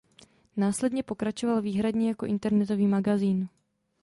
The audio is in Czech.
Následně pokračoval výhradně jako internetový magazín.